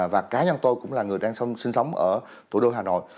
và cá nhân tôi cũng là người đang sinh sống ở thủ đô hà nội